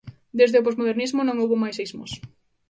Desde o posmodernismo non houbo máis ismos.